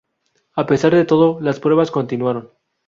A pesar de todo, las pruebas continuaron.